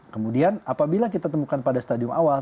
kemudian apabila kita temukan pada stadium awal